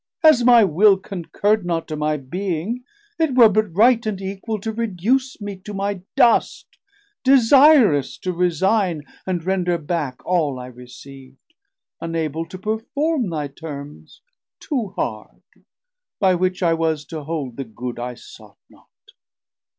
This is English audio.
as my Will Concurd not to my being, it were but right And equal to reduce me to my dust, Desirous to resigne, and render back All I receav'd, unable to performe 750 Thy terms too hard, by which I was to hold The good I sought not.